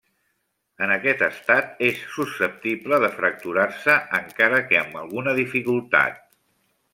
En aquest estat és susceptible de fracturar-se encara que amb alguna dificultat.